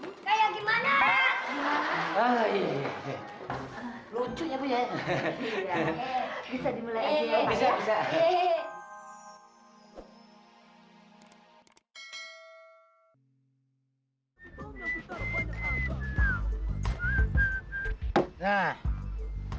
hai kayak gimana hai lucunya punya bisa dimulai bisa bisa